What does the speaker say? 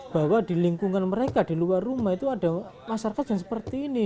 bahwa di lingkungan mereka di luar rumah itu ada masyarakat yang seperti ini